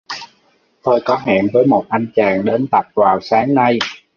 Tôi có hẹn với một anh chàng đến tập vào sáng nay